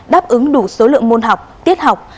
đáp ứng đủ số lượng môn học tiết học